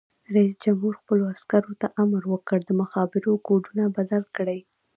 رئیس جمهور خپلو عسکرو ته امر وکړ؛ د مخابرو کوډونه بدل کړئ!